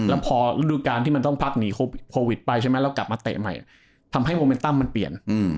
แล้วพอฤดูการที่มันต้องพักหนีโควิดไปใช่ไหมแล้วกลับมาเตะใหม่ทำให้โมเมนตัมมันเปลี่ยน